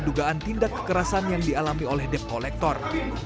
kedugaan tindak kekerasan yang dialami oleh depkolektor